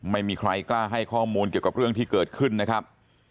ไม่มีใครกล้าให้ข้อมูลเกี่ยวกับเรื่องที่เกิดขึ้นนะครับ